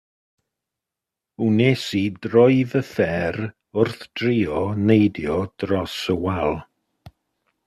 Wnes i droi fy ffêr wrth drio neidio dros y wal.